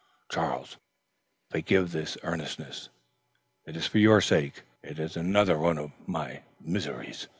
Charles, forgive this earnestness, it is for your sake. It is another of my miseries.